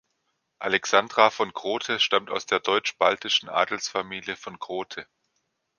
Alexandra von Grote stammt aus der deutsch-baltischen Adelsfamilie von Grote.